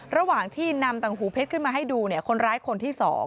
ระหว่างที่นำตังหูเพชรขึ้นมาให้ดูคนร้ายคนที่๒